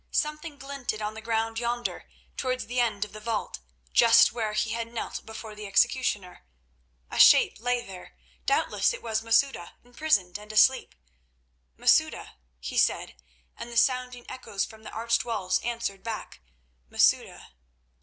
Something glinted on the ground yonder, towards the end of the vault, just where he had knelt before the executioner. A shape lay there; doubtless it was Masouda, imprisoned and asleep. "Masouda," he said, and the sounding echoes from the arched walls answered back, "Masouda!"